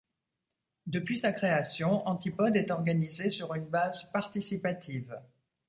Depuis sa création Antipode est organisée sur une base participative.